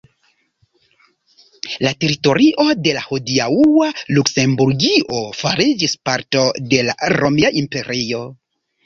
La teritorio de la hodiaŭa Luksemburgio fariĝis parto de la romia imperio.